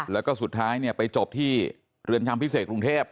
แล้วก็สุดท้ายไปจบที่เรือนจำพิเศษกรุงเทพ